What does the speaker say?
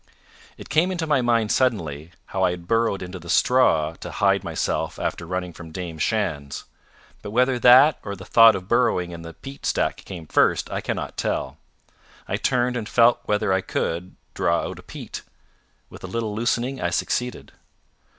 It came into my mind suddenly how I had burrowed in the straw to hide myself after running from Dame Shand's. But whether that or the thought of burrowing in the peat stack came first, I cannot tell. I turned and felt whether I could draw out a peat. With a little loosening I succeeded.